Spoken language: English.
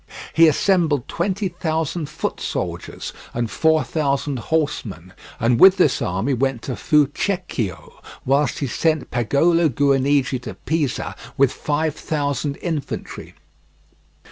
He assembled twenty thousand foot soldiers and four thousand horsemen, and with this army went to Fucecchio, whilst he sent Pagolo Guinigi to Pisa with five thousand infantry.